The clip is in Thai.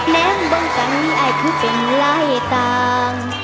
แม้บ้างกันมีอายพูดเป็นไรต่าง